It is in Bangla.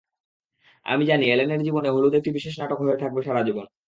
আমি জানি এ্যালেনের জীবনে হলুদ একটি বিশেষ নাটক হয়ে থাকবে সারা জীবন।